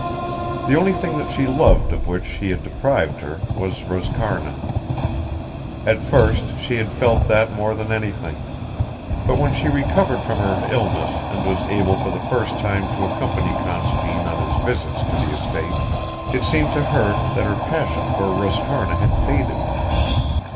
The only thing that she loved of which he had deprived her was Roscarna. At first, she had felt that more than anything; but when she recovered from her illness and was able for the first time to accompany Considine on his visits to the estate, it seemed to her that her passion for Roscarna had faded.